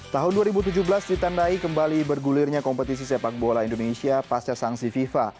tahun dua ribu tujuh belas ditandai kembali bergulirnya kompetisi sepak bola indonesia pasca sanksi fifa